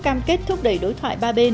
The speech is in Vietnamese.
cam kết thúc đẩy đối thoại ba bên